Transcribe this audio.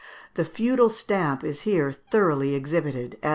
The feudal stamp is here thoroughly exhibited; as M.